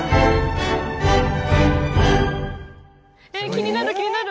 気になる気になる！